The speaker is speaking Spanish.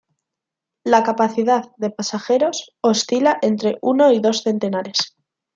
La capacidad de pasajeros oscila entre uno y dos centenares.